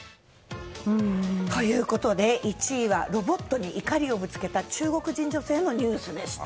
ということで、１位はロボットに怒りをぶつけた中国人女性のニュースでした。